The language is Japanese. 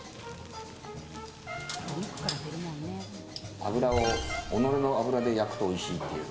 油を己の脂で焼くとおいしいという。